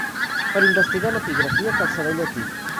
Per investigar en epigrafia cal saber llatí.